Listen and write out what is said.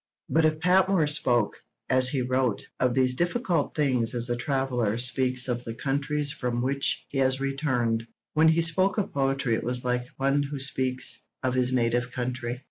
But if Patmore spoke, as he wrote, of these difficult things as a traveller speaks of the countries from which he has returned, when he spoke of poetry it was like one who speaks of his native country.